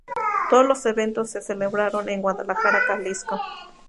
Todos los eventos se celebraron en Guadalajara, Jalisco.